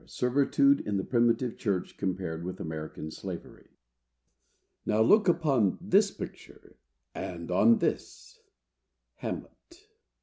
SERVITUDE IN THE PRIMITIVE CHURCH COMPARED WITH AMERICAN SLAVERY. "Look now upon this picture!——and on this." HAMLET.